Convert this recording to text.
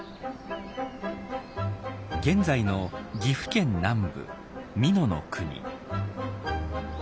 現在の岐阜県南部美濃国。